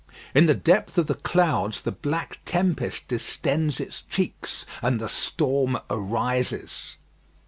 In the depth of the clouds the black tempest distends its cheeks, and the storm arises.